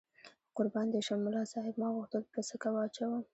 قربان دې شم، ملا صاحب ما غوښتل پسکه واچوم.